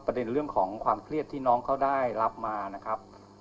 เรื่องของความเครียดที่น้องเขาได้รับมานะครับ